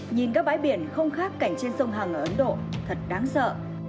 nhìn các bãi biển không khác cảnh trên sông hằng ở ấn độ thật đáng sợ